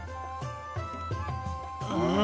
うん！